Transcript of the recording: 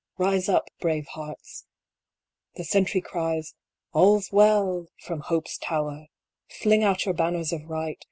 Rise up, brave hearts 1 86 HEAR, ISRAEL! The sentry cries :" All s well !" from Hope s tower ! Fling out your banners of Right